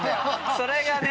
それがね！